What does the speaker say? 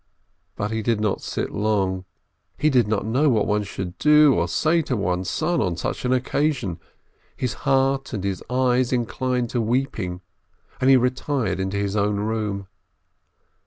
But he did not sit long, he did not know what one should do or say to one's son on such an occasion; his heart and his eyes inclined to weeping, and he retired into his own room.